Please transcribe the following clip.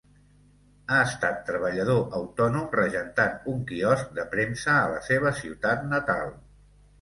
Ha estat treballador autònom, regentant un quiosc de premsa a la seva ciutat natal.